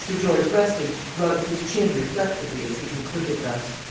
George Weston rubbed his chin reflectively as he concluded thus.